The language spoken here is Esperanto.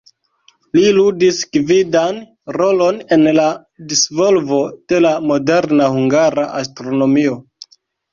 Li ludis gvidan rolon en la disvolvo de la moderna hungara astronomio.